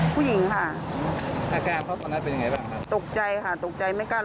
เสื้อสีส้มคือพ่อเขาหรือเปล่านะ